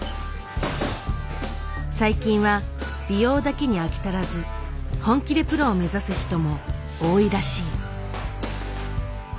最近は美容だけに飽き足らず本気でプロを目指す人も多いらしい。